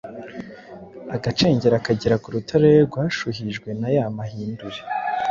agacengera akagera ku rutare rwashuhijwe na ya mahindure